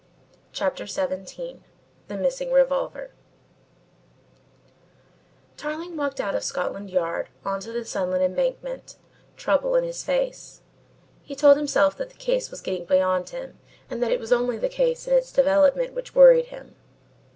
CHAPTER XVII THE MISSING REVOLVER Tarling walked out of Scotland Yard on to the sunlit Embankment, trouble in his face. He told himself that the case was getting beyond him and that it was only the case and its development which worried him.